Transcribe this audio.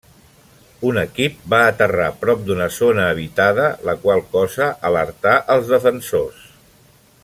Un equip va aterrar prop d'una zona habitada, la qual cosa alertà als defensors.